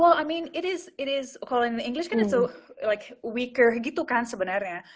well i mean it is it is kalau di bahasa inggris kan it's like weaker gitu kan sebenarnya